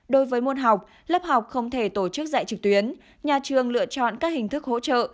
đối với môn học lớp học không thể tổ chức dạy trực tuyến nhà trường lựa chọn các hình thức hỗ trợ